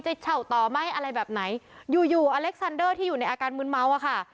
เฉ่าต่อไหมอะไรแบบไหนอยู่อยู่อเล็กซันเดอร์ที่อยู่ในอาการมืนเมาอะค่ะ